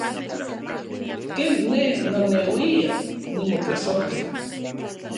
Ken ne noneuian nimotlasojtla.